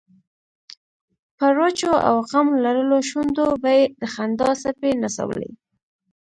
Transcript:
پر وچو او غم لړلو شونډو به یې د خندا څپې نڅولې.